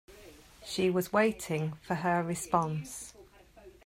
She was waiting for her response.